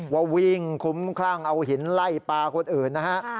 ว่าวิ่งคุ้มคลั่งเอาหินไล่ปลาคนอื่นนะฮะ